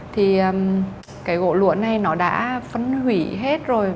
thì cái gỗ lũa này nó đã phân hủy hết rồi